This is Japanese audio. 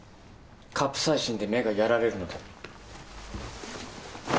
カプサイシンで目がやられるので。